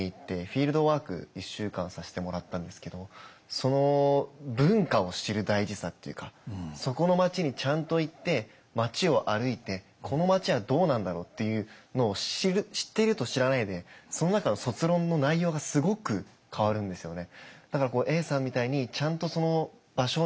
僕も文化を知る大事さっていうかそこの街にちゃんと行って街を歩いてこの街はどうなんだろうっていうのを知る知っていると知らないでその中の卒論の内容がすごく変わるんですよね。